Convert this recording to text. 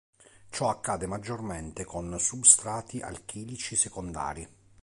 Ciò accade maggiormente con substrati alchilici secondari.